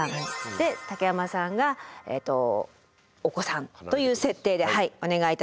で竹山さんがお子さんという設定でお願いいたします。